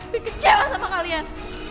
dikecewa sama kalian